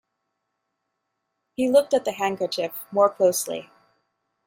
He looked at the handkerchief more closely